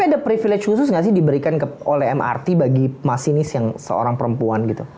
tapi ada privilege khusus nggak sih diberikan oleh mrt bagi masinis yang seorang perempuan gitu